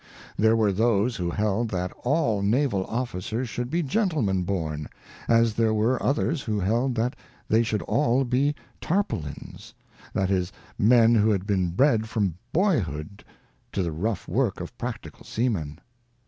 There were those who held that all naval officers should be gentlemen born, as there were others who held that they should all be tarpaulins — that is, men who had been bred from boyhood to the rough work of practical seamen.